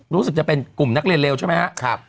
รู้สึกจะเป็นกลุ่มนักเรียนเร็วใช่ไหมครับ